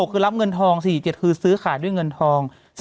คือรับเงินทอง๔๗คือซื้อขายด้วยเงินทอง